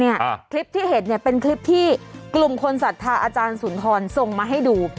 นี่คลิปที่เห็นเป็นคลิปที่กลุ่มคนสัตว์อาจารย์สุนทรส่งมาให้ดู